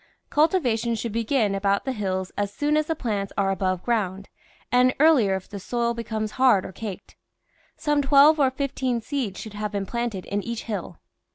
Cultivation should begin about the hills as soon as the plants are above ground, and earlier if the soil becomes hard or caked. Some twelve or fifteen seeds should have been planted in each hill.